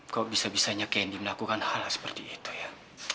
kok bisa bisanya candy melakukan hal seperti itu ya